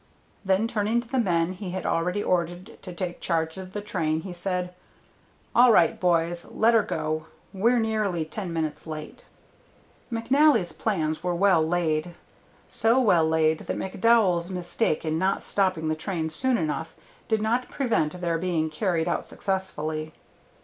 Then turning to the men he had already ordered to take charge of the train, he said: "All right, boys, let her go. We're nearly ten minutes late." McNally's plans were well laid; so well laid that McDowell's mistake in not stopping the train soon enough did not prevent their being carried out successfully.